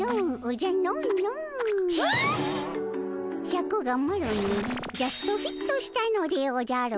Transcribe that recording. シャクがマロにジャストフィットしたのでおじゃる。